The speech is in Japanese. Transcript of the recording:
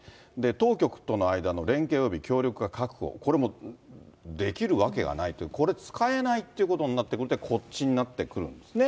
当局との間の連携および協力が確保、これもできるわけがないと、これ、使えないってことになってくるので、こっちになってくるんですね。